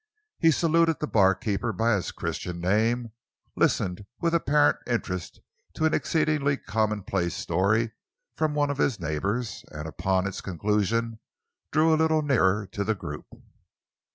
He saluted the barkeeper by his Christian name, listened with apparent interest to an exceedingly commonplace story from one of his neighbours, and upon its conclusion drew a little nearer to the group.